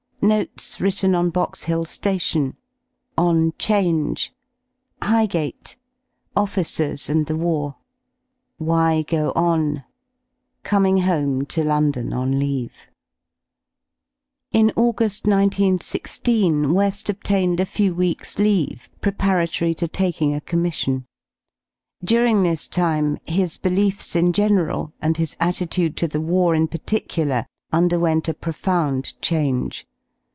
§ Notes written on Box Hill Station § On change. § Highgate. § OiEcers and the war. § "Why go on ?"§ Coming home to London on leave. \ In JuguSl 191 6 TVeSl obtained a few weeks* leave pre paratory to taking a Commission. During this time his beliefs in general and his attitude to the war in particular underwent a profound change.